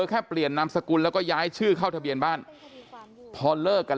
แค่เปลี่ยนนามสกุลแล้วก็ย้ายชื่อเข้าทะเบียนบ้านพอเลิกกัน